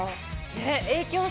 ねっ？